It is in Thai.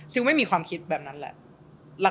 ไม่มีความคิดแบบนั้นแหละ